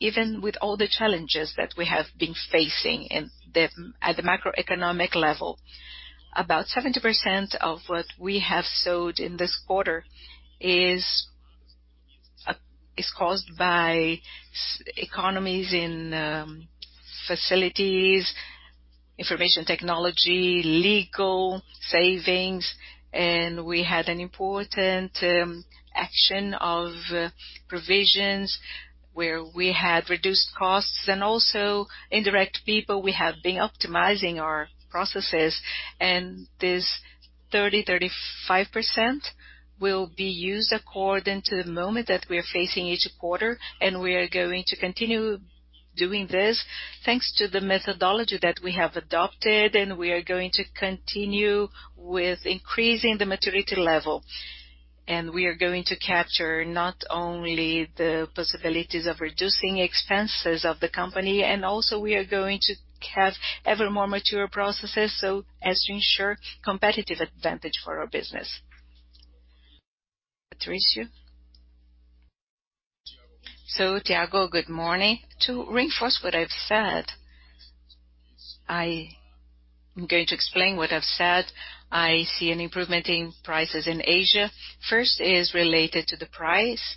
even with all the challenges that we have been facing at the macroeconomic level. About 70% of what we have sold in this quarter is caused by economies in facilities, information technology, legal savings, and we had an important action of provisions where we had reduced costs and also indirect people. We have been optimizing our processes, and this 30, 35% will be used according to the moment that we are facing each quarter. We are going to continue doing this thanks to the methodology that we have adopted, and we are going to continue with increasing the maturity level. We are going to capture not only the possibilities of reducing expenses of the company and also we are going to have ever more mature processes as to ensure competitive advantage for our business. Patricio. Thiago, good morning. To reinforce what I've said, I am going to explain what I've said. I see an improvement in prices in Asia. First is related to the price,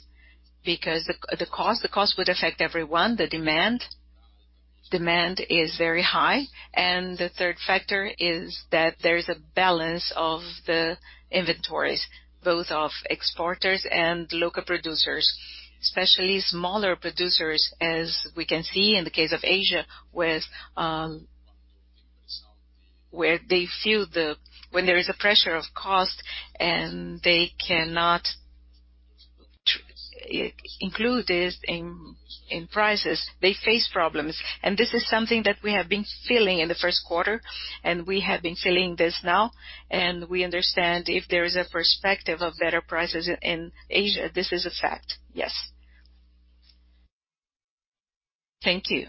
because the cost would affect everyone. The demand is very high. The third factor is that there is a balance of the inventories, both of exporters and local producers, especially smaller producers, as we can see in the case of Asia, where when there is a pressure of cost and they cannot include this in prices, they face problems. This is something that we have been feeling in the first quarter, and we have been feeling this now, and we understand if there is a perspective of better prices in Asia. This is a fact. Yes. Thank you.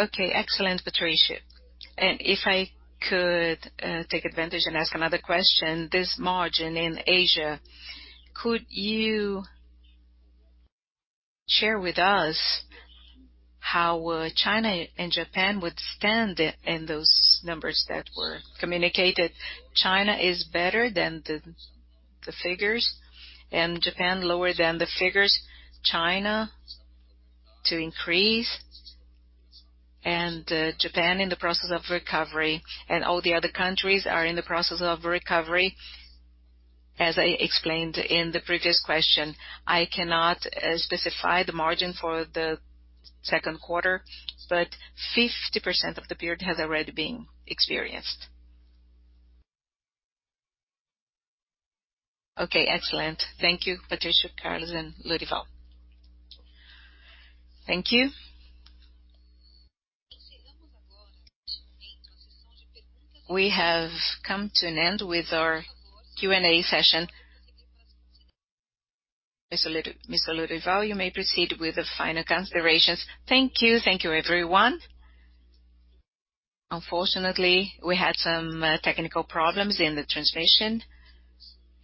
Okay. Excellent, Patricio. If I could take advantage and ask another question. This margin in Asia, could you share with us how China and Japan would stand in those numbers that were communicated? China is better than the figures, and Japan lower than the figures. China to increase and Japan in the process of recovery. All the other countries are in the process of recovery. As I explained in the previous question, I cannot specify the margin for the second quarter, but 50% of the period has already been experienced. Okay, excellent. Thank you, Patricio, Carlos, and Lorival. Thank you. We have come to an end with our Q&A session. Mr. Lorival, you may proceed with the final considerations. Thank you, everyone. Unfortunately, we had some technical problems in the translation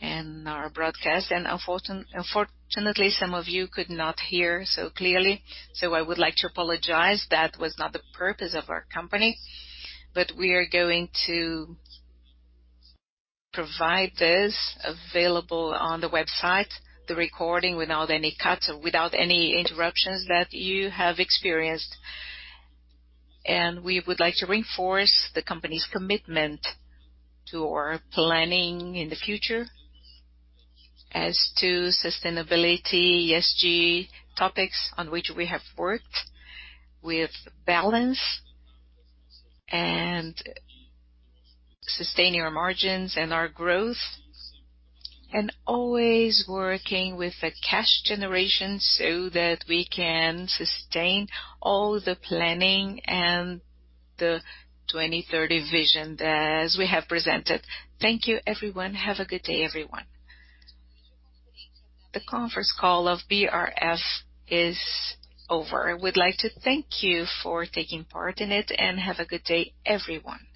and our broadcast. Unfortunately, some of you could not hear so clearly. I would like to apologize, that was not the purpose of our company. We are going to provide this available on the website, the recording, without any cuts or without any interruptions that you have experienced. We would like to reinforce the company's commitment to our planning in the future as to sustainability, ESG topics on which we have worked with balance and sustaining our margins and our growth, always working with a cash generation so that we can sustain all the planning and the 2030 Vision as we have presented. Thank you, everyone. Have a good day, everyone. The conference call of BRF is over. We'd like to thank you for taking part in it, and have a good day, everyone.